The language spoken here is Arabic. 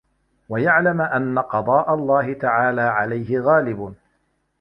وَيَعْلَمَ أَنَّ قَضَاءَ اللَّهِ تَعَالَى عَلَيْهِ غَالِبٌ